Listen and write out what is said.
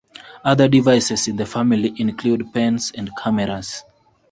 Other devices in the family include pens and cameras.